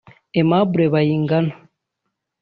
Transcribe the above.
Aimable Bayingana